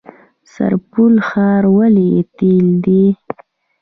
سرپل ښار ولې تیلي دی؟